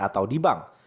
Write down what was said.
atau di bank